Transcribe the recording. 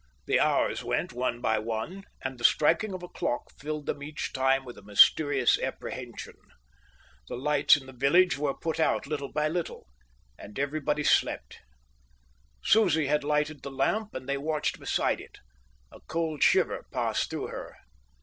The hours went one by one, and the striking of a clock filled them each time with a mysterious apprehension. The lights in the village were put out little by little, and everybody slept. Susie had lighted the lamp, and they watched beside it. A cold shiver passed through her.